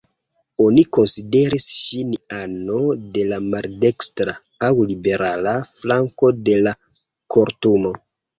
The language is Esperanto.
Oni konsideris ŝin ano de la "maldekstra" aŭ "liberala" flanko de la Kortumo.